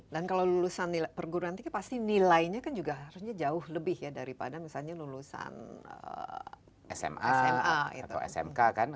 dan kalau lulusan perguruan tinggi pasti nilainya kan juga harusnya jauh lebih ya daripada misalnya lulusan sma atau smk kan